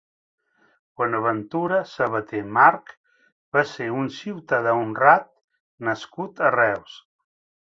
Bonaventura Sabater March va ser un ciutadà honrat nascut a Reus.